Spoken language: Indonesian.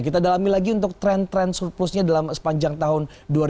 kita dalamin lagi untuk tren tren surplusnya dalam sepanjang tahun dua ribu enam belas